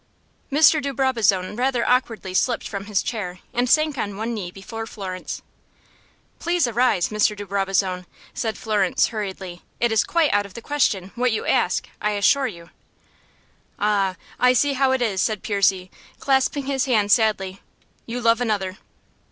Mr. de Brabazon rather awkwardly slipped from his chair, and sank on one knee before Florence. "Please arise, Mr. de Brabazon," said Florence, hurriedly. "It is quite out of the question what you ask I assure you." "Ah! I see how it is," said Percy, clasping his hands sadly. "You love another."